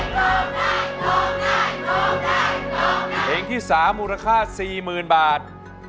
เพลงที่๓มูลค่า๔๐๐๐บาท